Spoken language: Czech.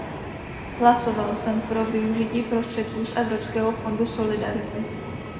Hlasoval jsem pro využití prostředků z evropského Fondu solidarity.